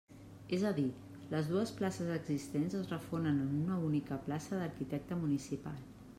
És a dir, les dues places existents es refonen en una única plaça d'arquitecte municipal.